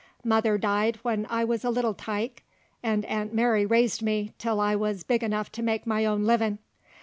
Mother died when I wuz a little tyke, an' Aunt Mary raised me till I wuz big enuff to make my own livin'.